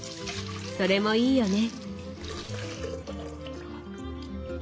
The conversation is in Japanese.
それもいいよね。